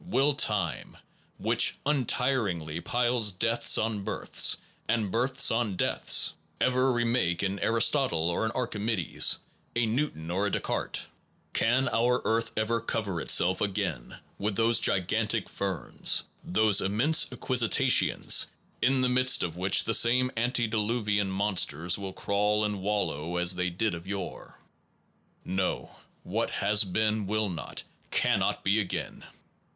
Will time, which untiringly piles deaths on births, and births on deaths, ever re make an Aristotle or an Archimedes, a Newton or a Descartes ? Can our earth ever cover itself again with those gigantic ferns, those immense equisetaceans, in the midst of which the same antediluvian monsters will crawl and wallow as they did of yore? ... No, what has been will not, cannot, be again.